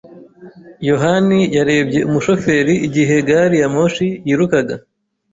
yohani yarebye umushoferi igihe gari ya moshi yirukaga.